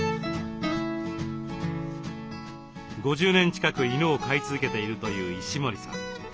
５０年近く犬を飼い続けているという石森さん。